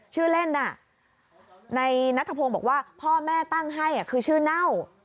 ชื่อเล่นน่ะในนัทพงศ์บอกว่าพ่อแม่ตั้งให้คือชื่อเน่า